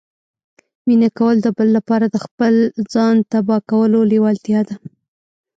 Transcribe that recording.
مینه کول د بل لپاره د خپل ځان تباه کولو لیوالتیا ده